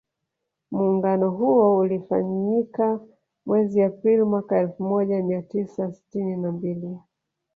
Muungano huo ulifanyika mwezi April mwaka elfu moja mia tisa sitini na mbili